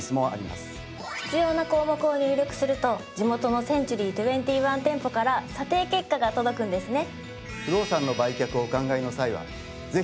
必要な項目を入力すると地元のセンチュリー２１店舗から査定結果が届くんですね！